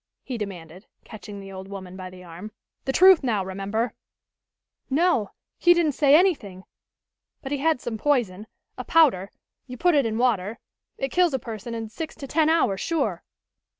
he demanded, catching the old woman by the arm. "The truth now, remember!" "No, he didn't say anything. But he had some poison, a powder you put it in water. It kills a person in six to ten hours, sure."